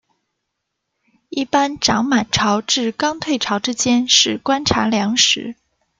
一般涨满潮至刚退潮之间是观察良时。